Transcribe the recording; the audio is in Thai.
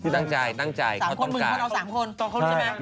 ตังใจ